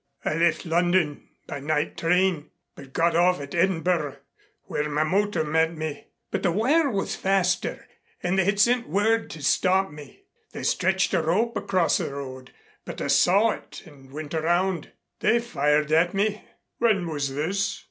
"I left London by night train but got off at Edinburgh where my motor met me. But the wire was faster, and they had sent word to stop me. They stretched a rope across the road, but I saw it and went around. They fired at me " "When was this?"